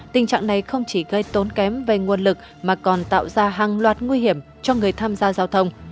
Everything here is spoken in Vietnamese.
tình trạng này không chỉ gây tốn kém về nguồn lực mà còn tạo ra hàng loạt nguy hiểm cho người tham gia giao thông